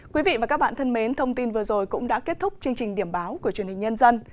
quý vị và các bạn thân mến thông tin vừa rồi cũng đã kết thúc chương trình điểm báo của truyền hình nhân dân